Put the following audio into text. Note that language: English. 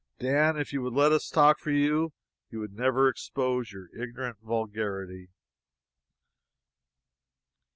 Dan, if you would let us talk for you, you would never expose your ignorant vulgarity."